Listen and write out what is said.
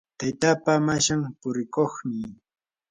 taytapaa mashan purikuqmi.